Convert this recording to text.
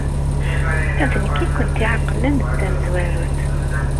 D nekk ay kent-iɛeqlen d tamezwarut.